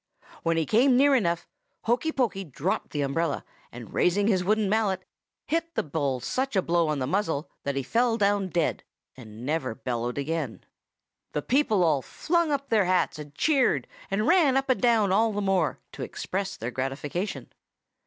When he came near enough, Hokey Pokey dropped the umbrella, and raising his wooden mallet hit the bull such a blow on the muzzle that he fell down dead, and never bellowed again. "The people all flung up their hats, and cheered, and ran up and down all the more, to express their gratification.